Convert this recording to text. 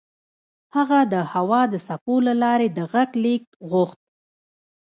هغه د هوا د څپو له لارې د غږ لېږد غوښت